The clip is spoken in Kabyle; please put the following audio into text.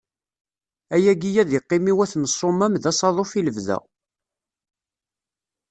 Ayagi ad d-iqqim i wat n Ṣṣumam d asaḍuf i lebda.